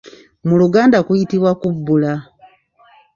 Mu Luganda kuyitibwa kubbula.